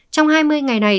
trong hai mươi ngày này